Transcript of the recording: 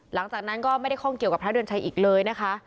หลังจากนั้นก็ไม่ได้ข้องเกี่ยวกับพระเดือนชัยอีกเลยนะคะ